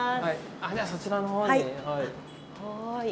あっじゃあそちらの方に。